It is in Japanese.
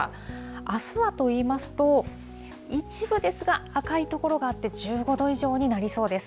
あすはといいますと、一部ですが赤い所があって、１５度以上になりそうです。